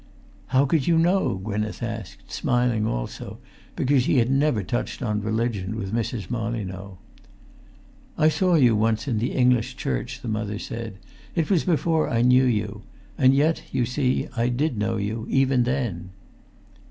"How could you know?" Gwynneth asked, smiling also, because she had never touched on religion with Mrs. Molyneux. "I saw you once in the English church," the Mother said. "It was before I knew you; and yet, you see, I did know you, even then!"